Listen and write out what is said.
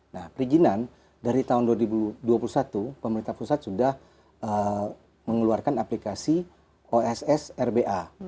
nah perizinan dari tahun dua ribu dua puluh satu pemerintah pusat sudah mengeluarkan aplikasi oss rba